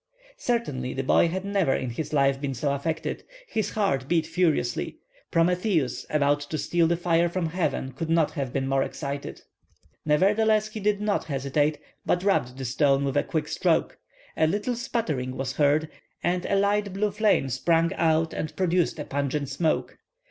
Certainly, the boy had never in his life been so affected. His heart beat furiously. Prometheus, about to steal the fire from heaven, could not have been more excited. Nevertheless he did not hesitate, but rubbed the stone with a quick stroke. A little sputtering was heard, and a light blue flame sprung out and produced a pungent smoke.